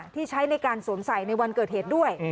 ที่ใช้ในการสวมใส่ในวันเกิดเหตุด้วย